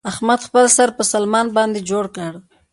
احمد خپل سر په سلمان باندې جوړ کړ.